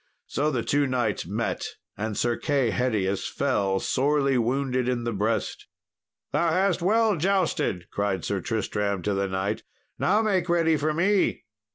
So the two knights met, and Sir Kay Hedius fell sorely wounded in the breast. "Thou hast well jousted," cried Sir Tristram to the knight; "now make ready for me!"